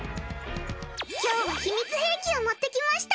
今日は秘密兵器を持ってきました！